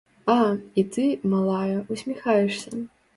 А, і ты, малая, усміхаешся!